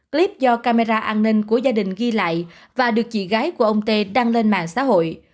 clip do camera an ninh của gia đình ghi lại và được chị gái của ông tê đăng lên mạng xã hội